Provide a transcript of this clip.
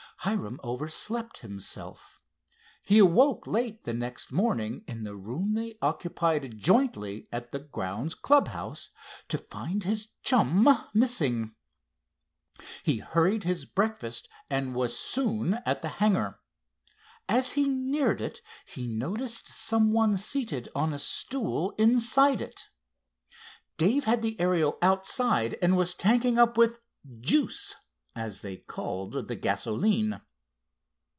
Hiram overslept himself. He awoke late the next morning, in the room they occupied jointly at the grounds clubhouse, to find his chum missing. He hurried his breakfast and was soon at the hangar. As he neared it he noticed some one seated on a stool inside it. Dave had the Ariel outside and was tanking up with "juice," as they called the gasoline.